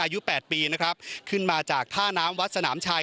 อายุ๘ปีนะครับขึ้นมาจากท่าน้ำวัดสนามชัย